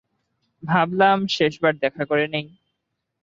ভাবলাম শেষবার দেখা করে নেই।